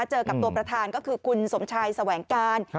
เจอกับตัวประธานก็คือคุณสมชัยแสวงการ